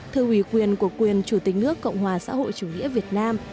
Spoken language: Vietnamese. thư ủy quyền của quyền chủ tịch nước cộng hòa xã hội chủ nghĩa việt nam